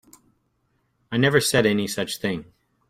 I never said any such thing.